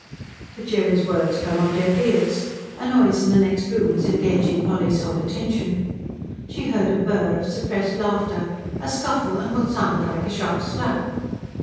But Jerry's words fell on deaf ears. A noise in the next room was engaging Polly's whole attention. She heard a burr of suppressed laughter, a scuffle and what sounded like a sharp slap.